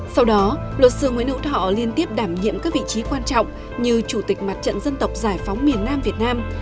sau đó luật sư nguyễn hữu thọ liên tiếp đảm nhiệm các vị trí quan trọng như chủ tịch mặt trận dân tộc giải phóng miền nam việt nam